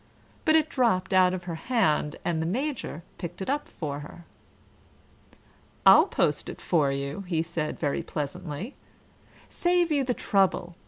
But it dropped out of her hand, and the Major picked it up for her. "I'll post it for you," he said very pleasantly. "Save you the trouble.